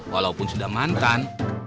walaupun sudah mantan